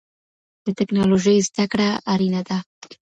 د ټکنالوژۍ زده کړه اړینه ده.